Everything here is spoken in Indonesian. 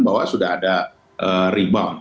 bahwa sudah ada rebound